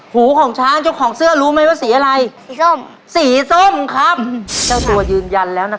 หูของช้างเจ้าของเสื้อรู้ไหมว่าสีอะไรสีส้มสีส้มครับเจ้าตัวยืนยันแล้วนะคะ